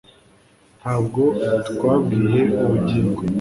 ntabwo twabwiye ubugingo